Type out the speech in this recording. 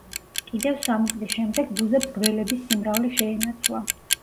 კიდევ სამი წლის შემდეგ ბუზებს გველების სიმრავლე შეენაცვლა.